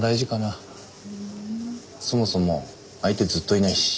そもそも相手ずっといないし。